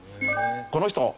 この人